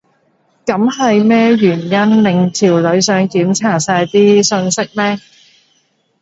噉係咩原因令條女想檢查晒啲訊息呢？